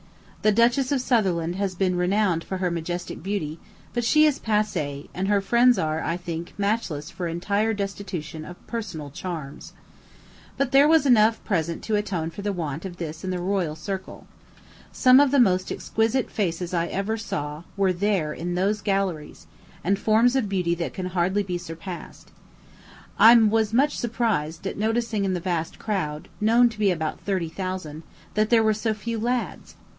The Duchess of Sutherland has been renowned for her majestic beauty; but she is passe, and her friends are, I think, matchless for entire destitution of personal charms. But there was enough present to atone for the want of this in the royal circle. Some of the most exquisite faces I ever saw were there in those galleries, and forms of beauty that can hardly be surpassed. I was much surprised at noticing in the vast crowd, known to be about thirty thousand, that there were so few lads.